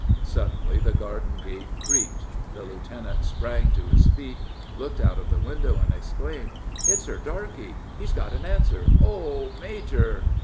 Suddenly the garden gate creaked. The lieutenant sprang to his feet, looked out of the window, and exclaimed: "It's her darkey he's got an answer oh, major!"